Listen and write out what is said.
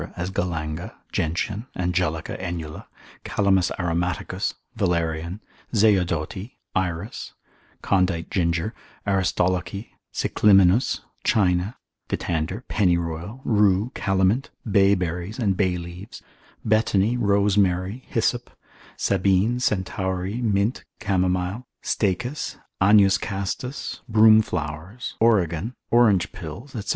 as galanga, gentian, angelica, enula, calamus aromaticus, valerian, zeodoti, iris, condite ginger, aristolochy, cicliminus, China, dittander, pennyroyal, rue, calamint, bay berries, and bay leaves, betony, rosemary, hyssop, sabine, centaury, mint, camomile, staechas, agnus castus, broom flowers, origan, orange pills, &c.